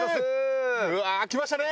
うわー来ましたね！